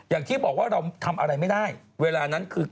อย่างที่บอกว่าเราทำอะไรไม่ได้เวลานั้นคือ